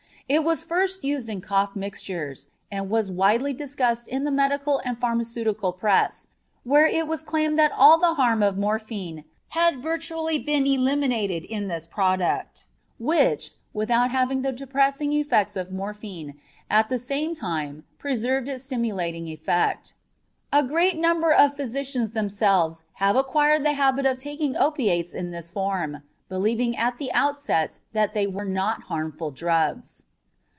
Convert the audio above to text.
It was first used in cough mixtures, and was widely discussed in the medical and pharmaceutical press, where it was claimed that all the harm of morphine had virtually been eliminated in this product, which, without having the depressing effect of morphine, at the same time preserved its stimulating effect. A great number of physicians themselves have acquired the habit of taking opiates in this form, believing at the outset that they were not harmful drugs.